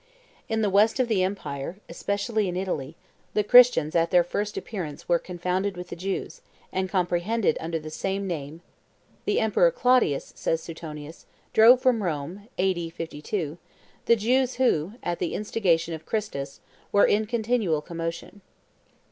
In the west of the empire, especially in Italy, the Christians at their first appearance were confounded with the Jews, and comprehended under the same name: "The Emperor Claudius," says Suetonius, "drove from Rome (A.D. 52) the Jews who, at the instigation of Christus, were in continual commotion."